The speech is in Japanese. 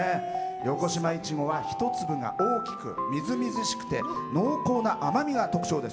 横島いちごは一粒が大きくみずみずしくて濃厚な甘みが特徴です。